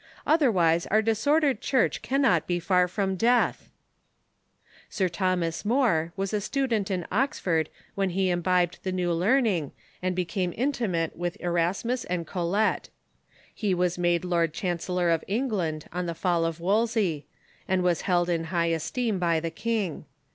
Otherwise our disordered Church cannot be far from death !" Sir Thomas More was a student in Oxford when he imbibed the new learning and became intimate with Erasmus and Colet. He was made Lord Chancellor of Eng land on the fall of Wolsey, and was held in high esteem by the king.